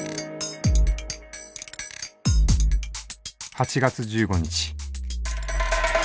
８月１５日。